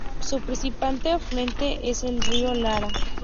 Su principal afluente es el río Lara.